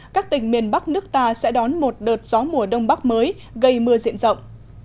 các tỉnh miền bắc nước ta sẽ đón một đợt gió mùa đông bắc mới gây mưa diện rộng